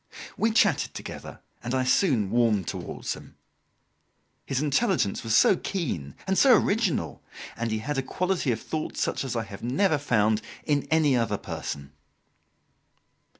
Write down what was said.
We chatted together, and I soon warmed towards him. His intelligence was so keen, and so original! and he had a quality of thought such as I have never found in any other person.